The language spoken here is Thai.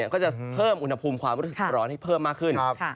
ก็จะเพิ่มอุณหภูมิความรู้สึกร้อนให้เพิ่มมากขึ้น